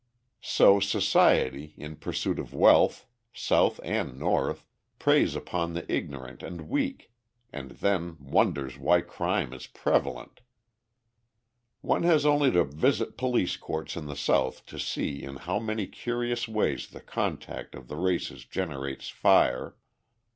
So society, in pursuit of wealth, South and North, preys upon the ignorant and weak and then wonders why crime is prevalent! One has only to visit police courts in the South to see in how many curious ways the contact of the races generates fire.